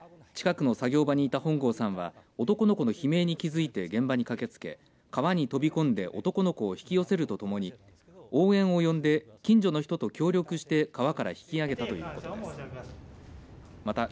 近くの作業場にた本郷さんは男の子の悲鳴に気づいて現場に駆けつけ川に飛び込んで男の子を引き寄せるとともに応援を呼んで近所の人と協力して川から引き上げたということです。